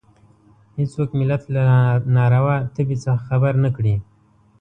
هېڅوک ملت له ناروا تبې څخه خبر نه کړي.